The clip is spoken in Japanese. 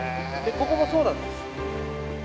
ここもそうなんです。